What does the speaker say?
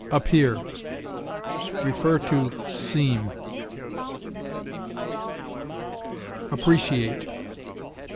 APPEAR. See SEEM. APPRECIATE.